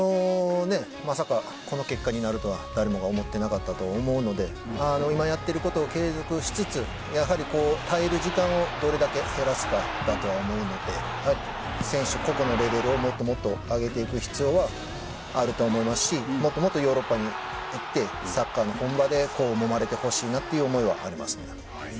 まさか、こんな結果になるとは誰もが思っていなかったと思うので今やっていることを継続しつつやはり耐える時間をどれだけ減らすかだとは思うので個々のレベルをもっと上げていく必要はあると思いますしもっとヨーロッパに行ってサッカーの本場でもまれてほしいなという思いはあります。